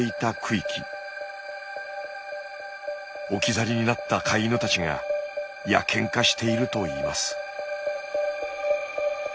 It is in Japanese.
置き去りになった飼い犬たちが野犬化しているといいます。